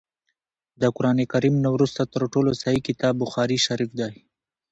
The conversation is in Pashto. د قران کريم نه وروسته تر ټولو صحيح کتاب بخاري شريف دی